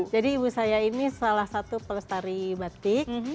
jadi ibu saya ini salah satu pelestari batik